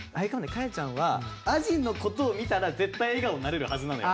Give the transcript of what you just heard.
かえちゃんはあじのことを見たら絶対笑顔になれるはずなのよ。